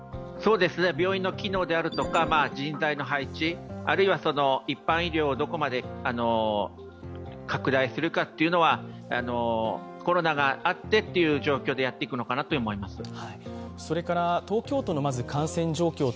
病院の機能であるとか人材の配置、あるいは、一般医療をどこまで拡大するかというのはコロナがあってという状況でやっていくのかなと思います。